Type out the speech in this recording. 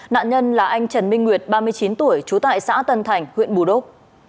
nạn nhân là anh trần minh nguyệt ba mươi chín tuổi trú tại xã tân thành huyện bù đốc